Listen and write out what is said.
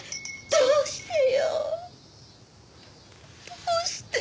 どうしてよ！